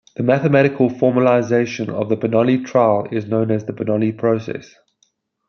The mathematical formalisation of the Bernoulli trial is known as the Bernoulli process.